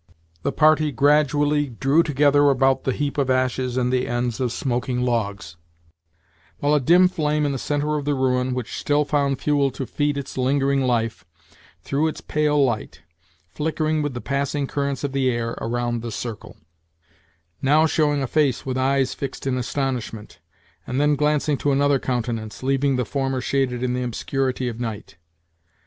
The party gradually drew together about the heap of ashes and the ends of smoking logs; while a dim flame in the centre of the ruin, which still found fuel to feed its lingering life, threw its pale light, flickering with the passing currents of the air, around the circle now showing a face with eyes fixed in astonishment, and then glancing to another countenance, leaving the former shaded in the obscurity of night.